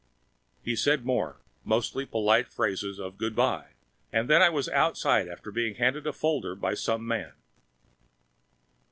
He said more, mostly polite phrases of good by. And then I was outside after being handed a folder by some man.